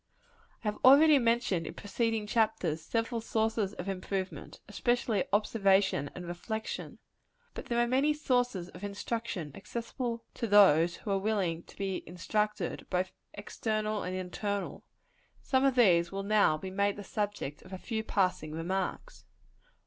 I have already mentioned, in preceding chapters, several sources of improvement especially observation and reflection. But there are many sources of instruction accessible to those who are willing to be instructed; both external and internal. Some of these will now be made the subjects of a few passing remarks.